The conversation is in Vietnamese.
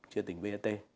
chưa tính vat